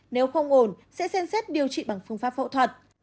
nếu không ổn sẽ xem xét điều trị bằng phương pháp phẫu thuật